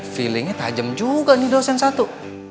feeling nya tajam juga nih dosen satu